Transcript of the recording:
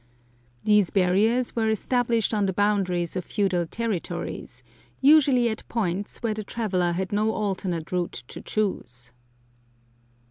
These barriers were established on the boundaries of feudal territories, usually at points where the traveller had no alternate route to choose.